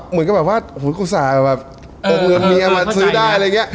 เหมือนกันแบบว่าโอ้โหครูศาปลูกเงินเมียมาซื้อได้